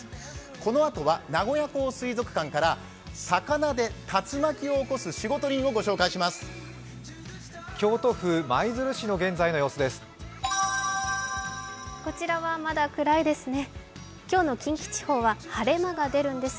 このあとは名古屋港水族館から魚で竜巻を起こす仕事人をお伝えします。